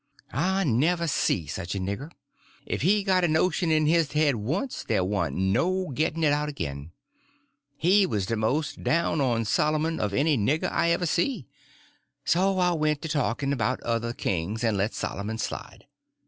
I never see such a nigger. If he got a notion in his head once, there warn't no getting it out again. He was the most down on Solomon of any nigger I ever see. So I went to talking about other kings, and let Solomon slide.